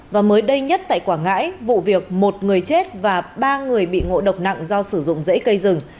và mới đây nhất tại quảng ngãi vụ việc một người chết và ba người bị ngộ độc nặng do sử dụng dễ cây rừng